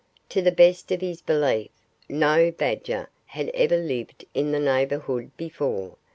To the best of his belief, no badger had ever lived in the neighborhood before.